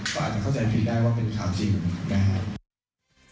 ก็อาจจะเข้าใจผิดได้ว่าเป็นข่าวจริงนะครับ